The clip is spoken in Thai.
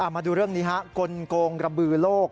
มาดูเรื่องนี้ฮะกลงกระบือโลก